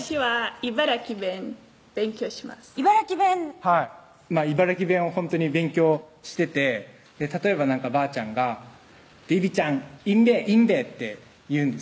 茨城弁茨城弁をほんとに勉強してて例えばばあちゃんが「ビビちゃんいんべいんべ」って言うんです